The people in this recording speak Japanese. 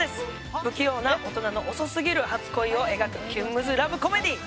「不器用な大人の遅すぎる初恋を描く“キュンムズ”ラブコメディー」